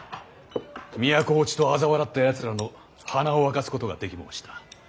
都落ちとあざ笑ったやつらの鼻を明かすことができ申した。